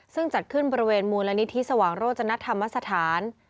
ซึ่งจัดขึ้นบริเวณมูลนิธิสว่างโรจนธรรมสถาน